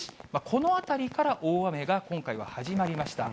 このあたりから大雨が今回は始まりました。